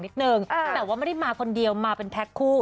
แต่ว่าไม่ได้มาคนเดียวมาเป็นแพ็คคู่